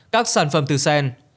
các sản phẩm từ sen